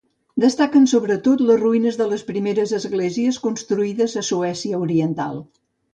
Destaquen sobretot les ruïnes de les primeres esglésies construïdes a Suècia oriental.